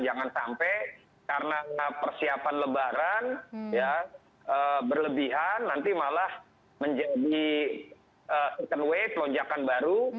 jangan sampai karena persiapan lebaran ya berlebihan nanti malah menjadi second wave lonjakan baru